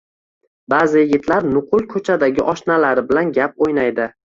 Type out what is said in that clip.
Ba’zi yigitlar nuqul ko‘chadagi oshnalari bilan gap o‘ynaydi